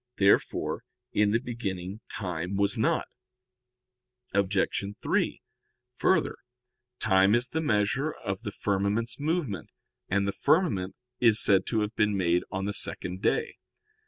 Therefore in the beginning time was not. Obj. 3: Further, time is the measure of the firmament's movement; and the firmament is said to have been made on the second day.